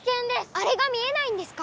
あれが見えないんですか！